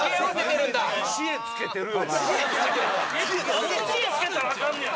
なんで知恵つけたらアカンねや。